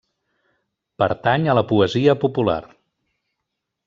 Pertany a la poesia popular.